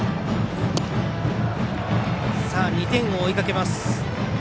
２点を追いかけます。